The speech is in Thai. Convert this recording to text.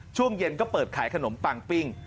ช่วงเย็นก็เปิดขายขนมปังปิ้ง